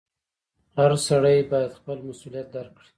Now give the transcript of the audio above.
• هر سړی باید خپل مسؤلیت درک کړي.